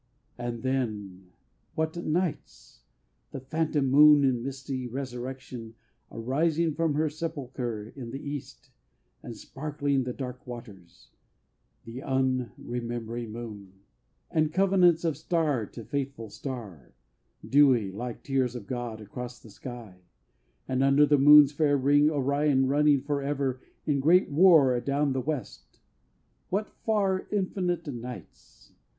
And then, what nights!... The phantom moon in misty resurrection Arising from her sepulchre in the East And sparkling the dark waters The unremembering moon! And covenants of star to faithful star, Dewy, like tears of God, across the sky; And under the moon's fair ring Orion running Forever in great war adown the West. What far, infinite nights!